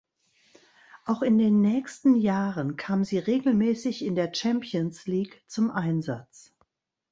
Auch in den nächsten Jahren kam sie regelmässig in der Champions League zum Einsatz.